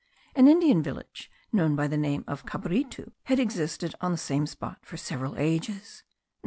An Indian village, known by the name of Cabritu,* had existed on the same spot for several ages.